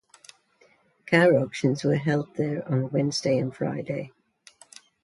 Car auctions are held there on Wednesday and Friday.